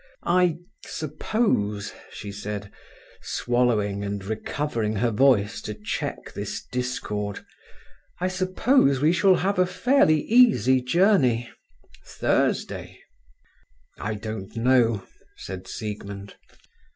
"I suppose," she said, swallowing, and recovering her voice to check this discord—"I suppose we shall have a fairly easy journey—Thursday." "I don't know," said Siegmund.